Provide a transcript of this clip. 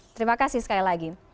terima kasih sekali lagi